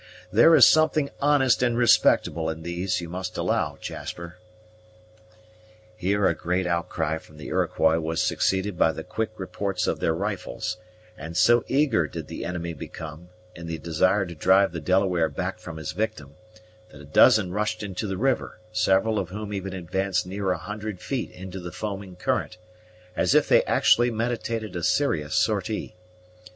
There is something honest and respectable in these, you must allow, Jasper." Here a great outcry from the Iroquois was succeeded by the quick reports of their rifles, and so eager did the enemy become, in the desire to drive the Delaware back from his victim, that a dozen rushed into the river, several of whom even advanced near a hundred feet into the foaming current, as if they actually meditated a serious sortie.